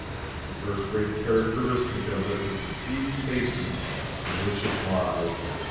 The first great characteristic of it is the deep basin in which it lies.